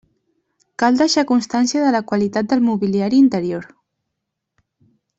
Cal deixar constància de la qualitat del mobiliari interior.